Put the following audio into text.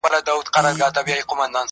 چي په مختلفو شکلونو سره